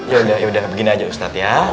ya sudah begini aja ustaz ya